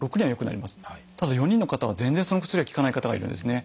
ただ４人の方は全然その薬が効かない方がいるんですね。